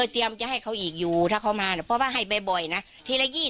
เตรียมจะให้เขาอีกอยู่ถ้าเขามาเพราะว่าให้บ่อยนะทีละ๒๐